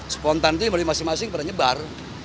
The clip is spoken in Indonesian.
spontan itu yang berarti masing masing pernah nyebar